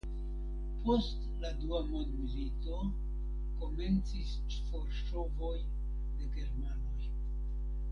Post la dua mondmilito komencis forŝovoj de germanoj.